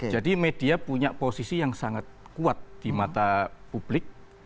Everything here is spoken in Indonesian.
jadi media punya posisi yang sangat kuat di mata publik